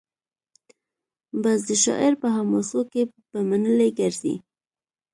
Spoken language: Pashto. بس د شاعر په حماسو کي به منلي ګرځي